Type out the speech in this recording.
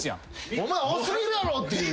お前多過ぎるやろ！っていう？